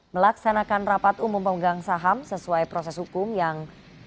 melaksanakan rapat umum pemegang saham sesuai proses hukum yang